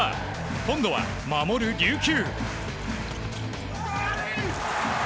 今度は守る琉球。